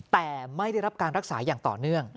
แต่ไม่ได้รับการรักษาอย่างต่อเนื่อง